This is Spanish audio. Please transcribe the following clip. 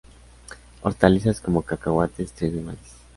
Hortalizas como cacahuetes, trigo y maíz.